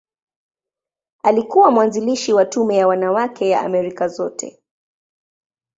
Alikuwa mwanzilishi wa Tume ya Wanawake ya Amerika Zote.